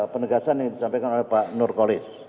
penegasan yang disampaikan oleh pak nur kholis